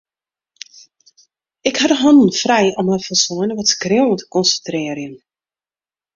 Ik ha de hannen frij om my folslein op it skriuwen te konsintrearjen.